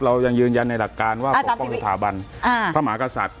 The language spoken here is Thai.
เรายังยืนยันในหลักการว่าปกป้องสถาบันพระมหากษัตริย์